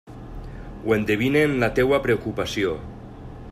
Ho endevine en la teua preocupació.